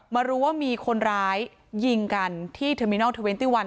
มารู้ว่ามีคนร้ายยิงกันที่เทอร์มินอลเทอร์เวนตี้วัน